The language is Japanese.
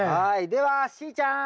ではしーちゃん！